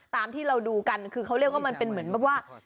ตามที่เราดูกันคือเขาเรียกว่ามันเป็นเหมือนแบบว่า